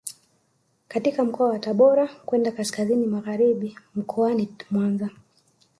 Kutoka mkoani Tabora kwenda kaskazini magharibi mkoani Mwanza